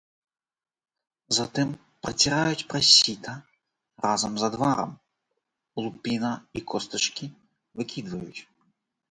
Затым праціраюць праз сіта разам з адварам, лупіна і костачкі выкідваюць.